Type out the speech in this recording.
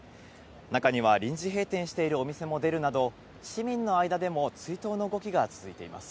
中には臨時閉店しているお店も出るなど、市民の間でも追悼の動きが続いています。